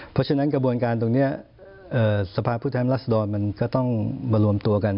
เพราะฉะนั้นกระบวนการตรงนี้สภาพผู้แทนรัศดรมันก็ต้องมารวมตัวกัน